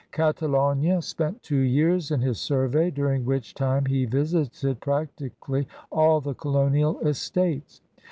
Catalogue spent two years in his survey, diiring which time he visited practically all the colonial estates.